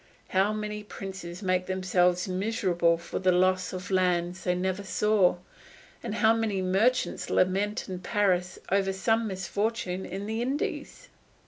How many princes make themselves miserable for the loss of lands they never saw, and how many merchants lament in Paris over some misfortune in the Indies!